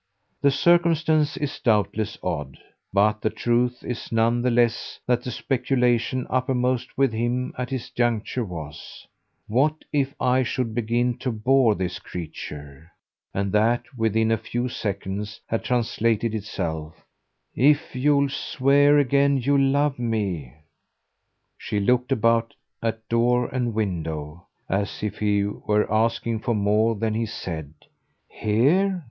The circumstance is doubtless odd, but the truth is none the less that the speculation uppermost with him at this juncture was: "What if I should begin to bore this creature?" And that, within a few seconds, had translated itself. "If you'll swear again you love me !" She looked about, at door and window, as if he were asking for more than he said. "Here?